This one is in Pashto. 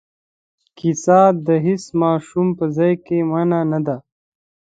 کیسه د هیڅ ماشوم په ځای کې مانع نه دی.